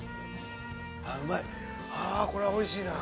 ああこれはおいしいな。